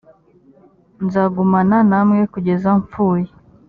nzagumana namwe kugeza mpfuye